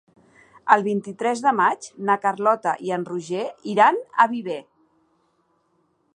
El vint-i-tres de maig na Carlota i en Roger iran a Viver.